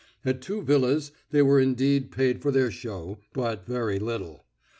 At two villas they were indeed paid for their show, but very little.